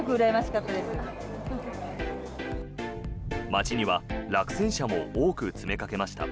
街には落選者も多く詰めかけました。